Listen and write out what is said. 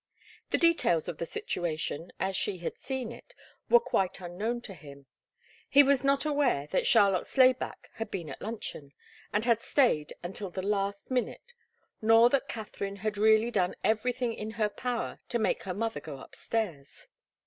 The details of the situation, as she had seen it, were quite unknown to him. He was not aware that Charlotte Slayback had been at luncheon, and had stayed until the last minute, nor that Katharine had really done everything in her power to make her mother go upstairs.